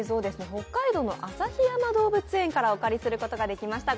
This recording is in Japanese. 北海道の旭山動物園からお借りすることができました。